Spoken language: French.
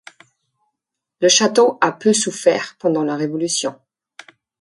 Le château a peu souffert pendant la Révolution.